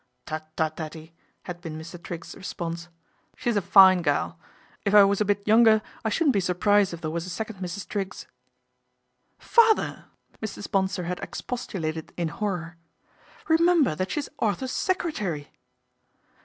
' Tut, tut, 'Ettie," had been Mr. Triggs's response. " She's a fine gal. If I was a bit younger I shouldn't be surprised if there was a second Mrs. Triggs." " Father !" Mrs. Bonsor had expostulated in horror. " Remember that she is Arthur's secre tary."